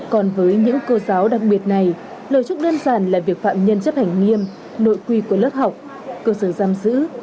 còn với những cô giáo đặc biệt này lời chúc đơn giản là việc phạm nhân chấp hành nghiêm nội quy của lớp học cơ sở giam giữ